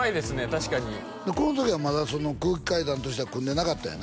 確かにこの時はまだ空気階段としては組んでなかったんやね